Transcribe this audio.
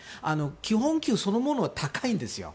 基本給そのものが高いんですよ。